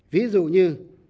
ví dụ như